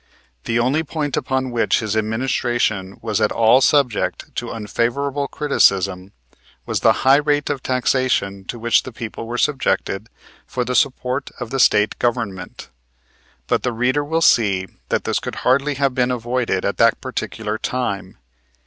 The only point upon which the administration was at all subject to unfavorable criticism was the high rate of taxation to which the people were subjected for the support of the State Government; but the reader will see that this could hardly have been avoided at that particular time.